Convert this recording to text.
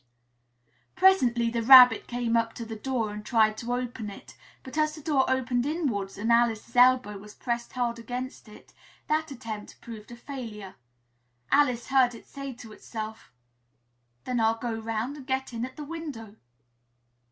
Presently the Rabbit came up to the door and tried to open it; but as the door opened inwards and Alice's elbow was pressed hard against it, that attempt proved a failure. Alice heard it say to itself, "Then I'll go 'round and get in at the window."